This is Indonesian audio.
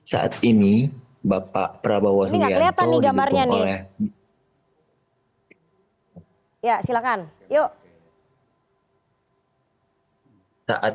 saat ini bapak prabowo dan jokowi